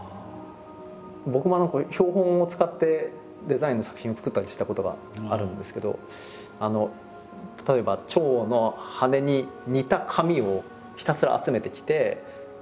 僕も標本を使ってデザインの作品を作ったりしたことがあるんですけど例えば蝶の羽に似た紙をひたすら集めてきて。